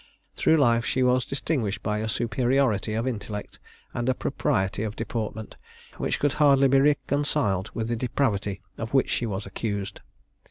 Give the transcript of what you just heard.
Through life she was distinguished by a superiority of intellect, and a propriety of deportment, which could hardly be reconciled with the depravity of which she was accused.